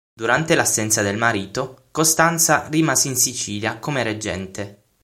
Durante l'assenza del marito Costanza rimase in Sicilia come reggente.